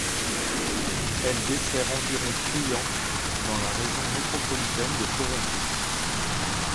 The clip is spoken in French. Elle dessert environ clients dans la région métropolitaine de Toronto.